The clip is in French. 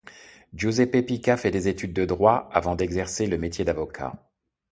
Giuseppe Pica fait des études de droit avant d'exercer le métier d'avocat.